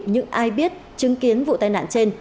những ai biết chứng kiến vụ tai nạn trên